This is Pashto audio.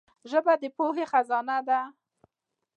ژبه د پوهي خزانه ده.